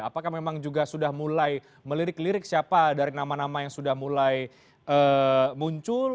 apakah memang juga sudah mulai melirik lirik siapa dari nama nama yang sudah mulai muncul